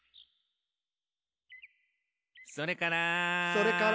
「それから」